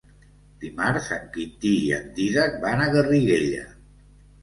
Dimarts en Quintí i en Dídac van a Garriguella.